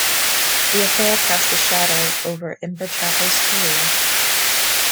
The affair cast a shadow over Inverchapel's career.